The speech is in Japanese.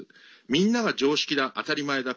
みんなが常識だ、当たり前だ